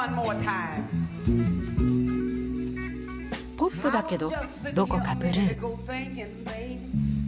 ポップだけどどこかブルー。